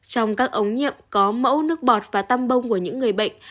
trong các ống nhiệm có mẫu nước bọt và tăm bông của những người bệnh